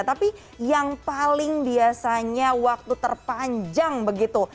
tapi yang paling biasanya waktu terpanjang begitu